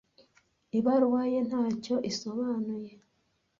Ibaruwa ye ntacyo isobanuye.